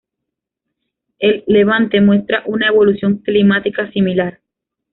El Levante muestra una evolución climática similar.